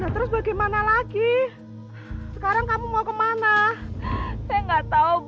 ya allah ya sudah sekarang ikut ke rumah saya aja yuk